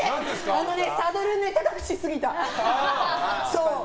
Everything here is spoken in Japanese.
あのね、サドル高くしすぎた。